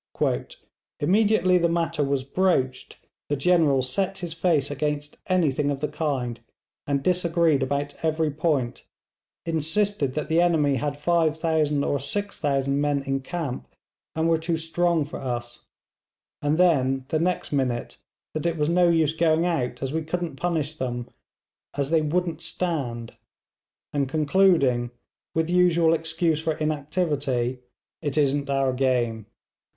'Immediately the matter was broached, the General set his face against anything of the kind, and disagreed about every point insisted that the enemy had 5000 or 6000 men in camp, and were too strong for us; and then, the next minute, that it was no use going out as we couldn't punish them, as they wouldn't stand; and concluding with usual excuse for inactivity, "It isn't our game."